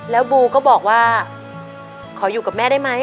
แล้วบูก็บอกว่าขออยู่กับแม่ได้ไหม